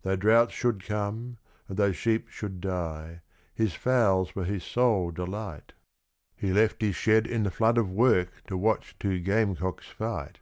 Though droughts should come, and though sheep should die, his fowls were his sole delight; He left his shed in the flood of work to watch two gamecocks fight.